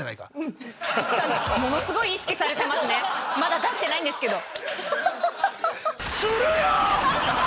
まだ出してないんですけど。